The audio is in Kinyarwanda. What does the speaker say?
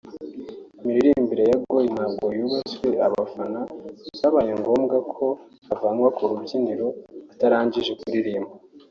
Imiririmbire ya Goor ntabwo yubashye abafana […] byabaye ngombwa ko avanwa ku rubyiniro atarangije kuririmba